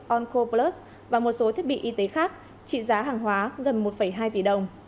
onco plus và một số thiết bị y tế khác trị giá hàng hóa gần một hai tỷ đồng